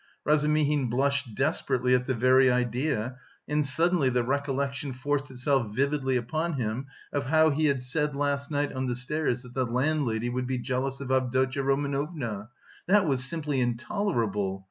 Razumihin blushed desperately at the very idea and suddenly the recollection forced itself vividly upon him of how he had said last night on the stairs that the landlady would be jealous of Avdotya Romanovna... that was simply intolerable.